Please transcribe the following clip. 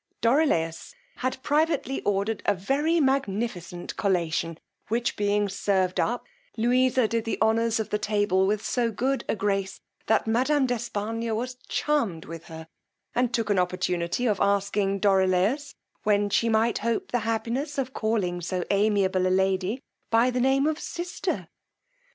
Dorilaus had privately ordered a very magnificent collation, which being served up, Louisa did the honours of the table with so good a grace, that madam d' Espargnes was charmed with her, and took an opportunity of asking Dorilaus when she might hope the happiness of calling so amiable a lady by the name of sister.